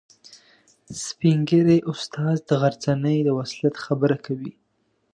سپین ږیری استاد د غرڅنۍ د وصلت خبره کوي.